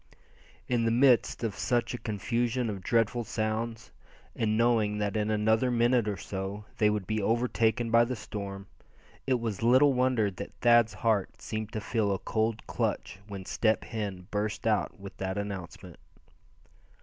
In the midst of such a confusion of dreadful sounds, and knowing that in another minute or so they would be overtaken by the storm, it was little wonder that Thad's heart seemed to feel a cold clutch when Step Hen burst out with that announcement.